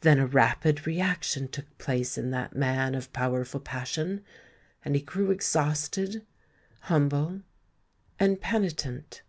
Then a rapid reaction took place in that man of powerful passion; and he grew exhausted—humble—and penitent.